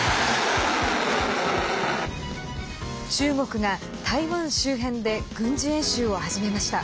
中国が台湾周辺で軍事演習を始めました。